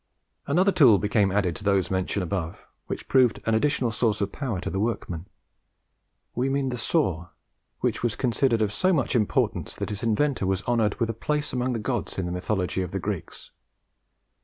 Another tool became added to those mentioned above, which proved an additional source of power to the workman. We mean the Saw, which was considered of so much importance that its inventor was honoured with a place among the gods in the mythology of the Greeks.